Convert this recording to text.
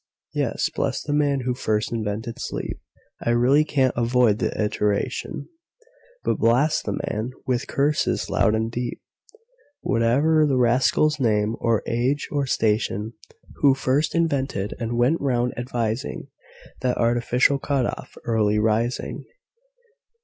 Yes; bless the man who first invented sleep(I really can't avoid the iteration),But blast the man, with curses loud and deep, Whate'er the rascal's name, or age, or station, Who first invented, and went round advising, That artificial cut off, Early Rising!